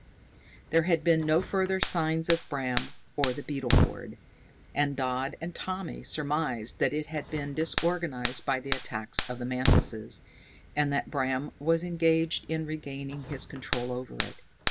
There had been no further signs of Bram or the beetle horde, and Dodd and Tommy surmised that it had been disorganized by the attack of the mantises, and that Bram was engaged in regaining his control over it.